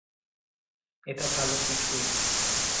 এটা ভালো কিছুই।